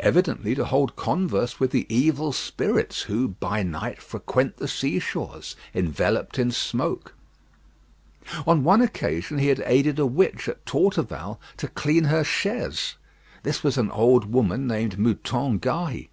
Evidently to hold converse with the evil spirits who, by night, frequent the seashores, enveloped in smoke. On one occasion he had aided a witch at Torteval to clean her chaise: this was an old woman named Moutonne Gahy.